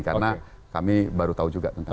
karena kami baru tahu juga tentang ini